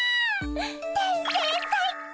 転生最高！